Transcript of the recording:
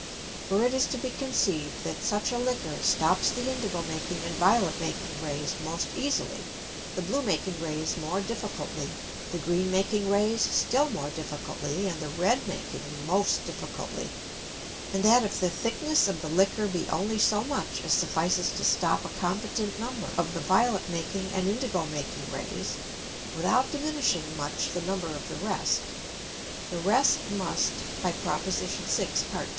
For it is to be conceiv'd that such a Liquor stops the indigo making and violet making Rays most easily, the blue making Rays more difficultly, the green making Rays still more difficultly, and the red making most difficultly: And that if the thickness of the Liquor be only so much as suffices to stop a competent number of the violet making and indigo making Rays, without diminishing much the number of the rest, the rest must (by Prop. 6. Part 2.)